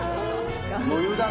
余裕だね。